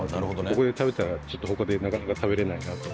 ここで食べたらちょっと他でなかなか食べられないなと。